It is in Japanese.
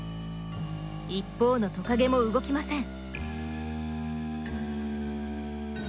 一方のトカゲも動きません。